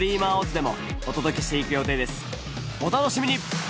お楽しみに！